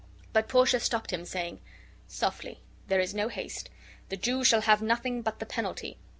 But Portia stopped him, saying: "Softly; there is no haste. The Jew shall have nothing but the penalty.